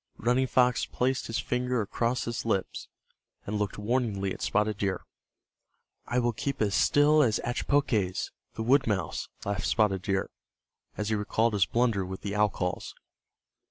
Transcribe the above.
Running Fox placed his finger across his lips, and looked warningly at Spotted Deer. "I will keep as still as Achpoques, the wood mouse," laughed Spotted Deer, as he recalled his blunder with the owl calls.